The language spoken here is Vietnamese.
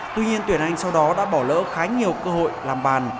tuy nhiên tuyển anh sau đó đã bỏ lỡ khá nhiều cơ hội làm bàn